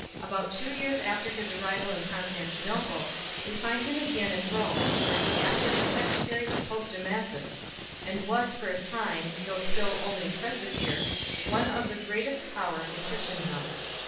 About two years after his arrival in Constantinople we find him again in Rome, where he acted as secretary to pope Damasus, and was for a time, though still only a presbyter, one of the greatest powers in Christendom.